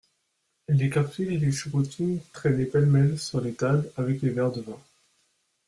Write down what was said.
Les capsules et les chevrotines traînaient pêle-mêle sur les tables avec les verres de vin.